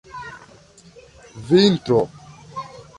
vintro